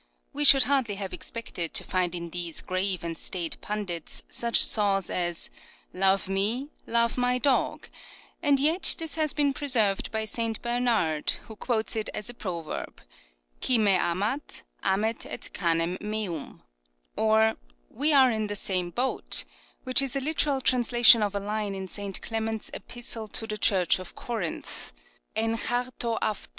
We should hardly have expected to find in these grave and staid pundits such saws as " Love me, love my dog," and yet this has been preserved by St. Bernard, who quotes it as a proverb, " Qui me amat, amet et canem meum "; or " We are in the same boat," which is a literal translation of a line in St. Clement's Epistle to the Church of Corinth (iv yap T(^ avT